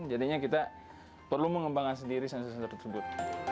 jadinya kita perlu mengembangkan sendiri sensor sens tersebut